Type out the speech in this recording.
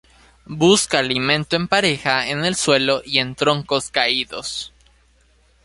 Busca alimento en pareja en el suelo y en troncos caídos.